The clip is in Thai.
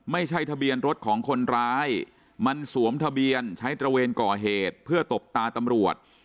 ไม่ใช่ทะเบียนรถของคนร้ายมันสวมทะเบียนใช้ตระเวนก่อเหตุเพื่อตบตาตำรวจ